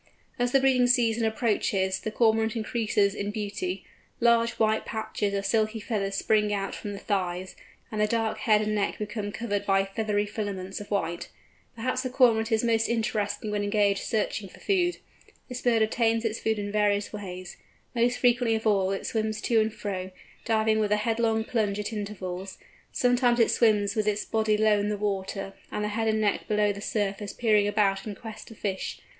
As the breeding season approaches the Cormorant increases in beauty; large white patches of silky feathers spring out from the thighs, and the dark head and neck become covered by feathery filaments of white. Perhaps the Cormorant is most interesting when engaged searching for food. This bird obtains its food in various ways. Most frequently of all, it swims to and fro, diving with a headlong plunge at intervals; sometimes it swims with its body low in the water, and the head and neck below the surface peering about in quest of fish.